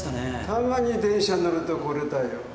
たまに電車に乗るとこれだよ。